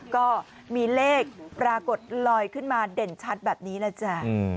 ก็มีเลขปรากฏลอยขึ้นมาเด่นชัดแบบนี้แหละจ้ะ